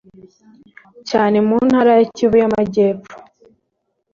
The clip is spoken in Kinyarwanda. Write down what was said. cyane mu Ntara ya Kivu y'Amajyepfo,